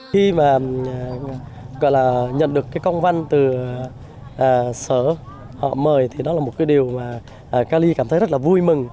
khi mà gọi là nhận được cái công văn từ sở họ mời thì đó là một cái điều mà cali cảm thấy rất là vui mừng